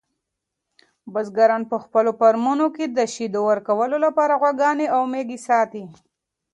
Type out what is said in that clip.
بزګران په خپلو فارمونو کې د شیدو ورکولو لپاره غواګانې او میږې ساتي.